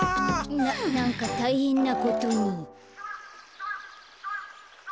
ななんかたいへんなことに。